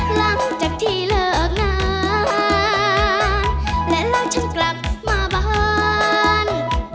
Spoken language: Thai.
หลังจากที่เลิกงานและแล้วฉันกลับมาบ้าน